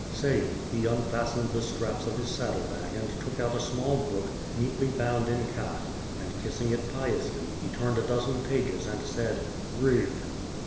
Saying, he unfastened the straps of his saddle bag and took out a small book, neatly bound in calf, and kissing it piously, he turned a dozen pages and said: "Read."